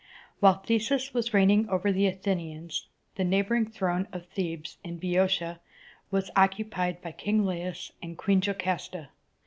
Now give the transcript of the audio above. While Theseus was reigning over the Athenians, the neighboring throne of Thebes, in Boeotia, was occupied by King La´ius and Queen Jo cas´ta.